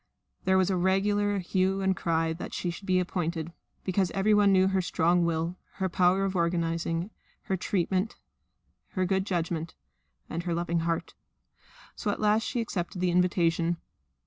There was a regular hue and cry that she should be appointed, because everyone knew her strong will, her power of organising, her just treatment, her good judgment, and her loving heart. So at last she accepted the invitation.